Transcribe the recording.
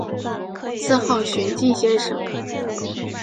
自号玄静先生。